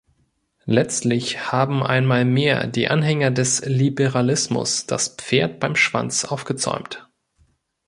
Letztlich haben einmal mehr die Anhänger des Liberalismus das Pferd beim Schwanz aufgezäumt.